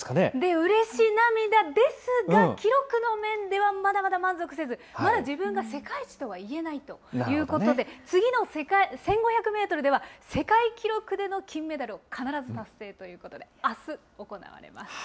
うれし涙ですが、記録の面ではまだまだ満足せず、まだ自分が世界一とは言えないということで、次の１５００メートルでは、世界記録での金メダルを必ず達成ということで、あす、行われます。